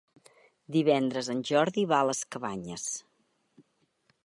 Divendres en Jordi va a les Cabanyes.